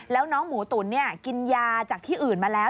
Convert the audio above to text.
แล้วน้องหมูตุ๋นกินยาจากที่อื่นมาแล้ว